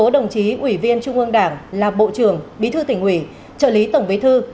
đồng chí ủy viên trung ương đảng là bộ trưởng bí thư tỉnh ủy trợ lý tổng bí thư